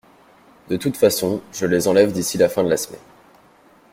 De toute façon, je les enlève d’ici la fin de la semaine.